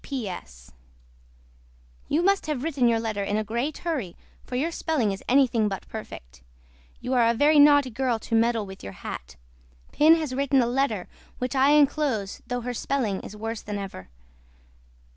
P.P.S. YOU MUST HAVE WRITTEN YOUR LETTER IN A GREAT HURRY FOR YOUR SPELLING IS ANYTHING BUT PERFECT. YOU ARE A VERY NAUGHTY GIRL TO MEDDLE WITH YOUR HAT. PIN HAS WRITTEN A LETTER WHICH I ENCLOSE THOUGH HER SPELLING IS WORSE THAN EVER.